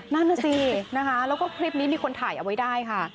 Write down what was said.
นั่นน่ะสินะคะแล้วก็คลิปนี้มีคนถ่ายเอาไว้ได้ค่ะ